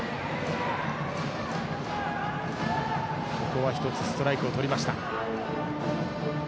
ここは１つストライクをとりました。